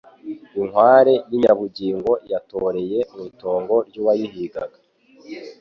Inkware yinyabugingo yatoreye mwitongo ryuwayihigaga